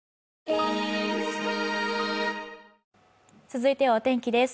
続いてはお天気です。